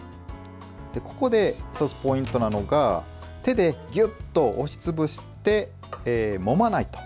ここで１つポイントなのが手でぎゅっと押し潰してもまないと。